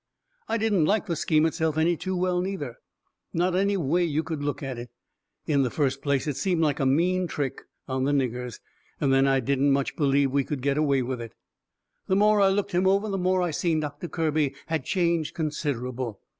I didn't like the scheme itself any too well, neither. Not any way you could look at it. In the first place it seemed like a mean trick on the niggers. Then I didn't much believe we could get away with it. The more I looked him over the more I seen Doctor Kirby had changed considerable.